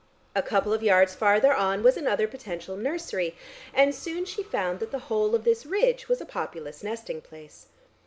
A couple of yards further on was another potential nursery, and soon she found that the whole of this ridge was a populous nesting place.